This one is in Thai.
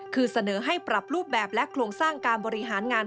คือเสนอให้ปรับรูปแบบและโครงสร้างการบริหารงาน